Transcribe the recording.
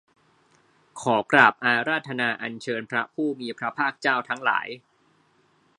ขอกราบอาราธนาอัญเชิญพระผู้มีพระภาคเจ้าทั้งหลาย